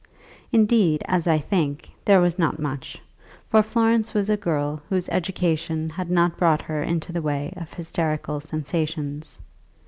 Indeed, as I think, there was not much, for Florence was a girl whose education had not brought her into the way of hysterical sensations.